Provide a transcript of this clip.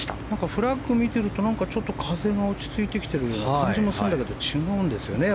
フラッグを見てるとちょっと風が落ち着いてきてる感じもするんだけど違うんですよね。